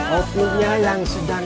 pokoknya yang sedang